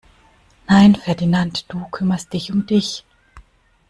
Nein Ferdinand, du kümmerst dich um dich!